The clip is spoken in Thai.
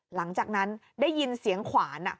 หลังจากนั้นได้ยินเสียงขวาน